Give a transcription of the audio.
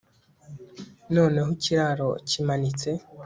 Noneho ikiraro kimanitse